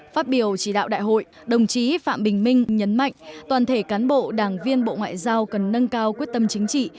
phát biểu chỉ đạo đại hội đồng chí phạm bình minh nhấn mạnh toàn thể cán bộ đảng viên bộ ngoại giao cần nâng cao quyết tâm chính trị